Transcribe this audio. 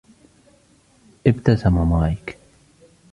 ابتسم مايك.